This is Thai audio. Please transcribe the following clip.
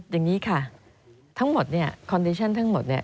อย่างนี้ค่ะทั้งหมดเนี่ยคอนดิชั่นทั้งหมดเนี่ย